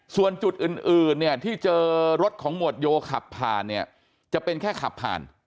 ส่วนจุดอื่นเนี่ยที่เจอรถของหมวดโยขับผ่านเนี่ยจะเป็นแค่ขับผ่าน